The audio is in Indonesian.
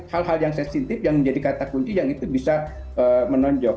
hal hal yang sensitif yang menjadi kata kunci yang itu bisa menonjok